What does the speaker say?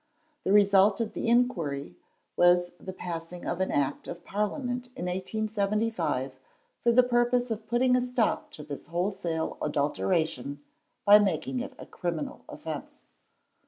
The result of the inquiry was the passing of an Act of Parliament in 1875 for the purpose of putting a stop to this wholesale adulteration by making it a criminal offence.